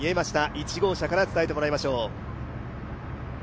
１号車から伝えてもらいましょう。